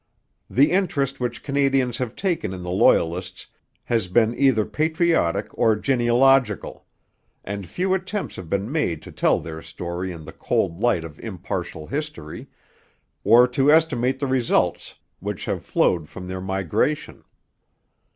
The interest which Canadians have taken in the Loyalists has been either patriotic or genealogical; and few attempts have been made to tell their story in the cold light of impartial history, or to estimate the results which have flowed from their migration.